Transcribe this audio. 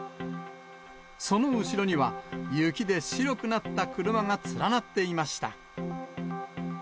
その後ろには、雪で白くなった車が連なっていました。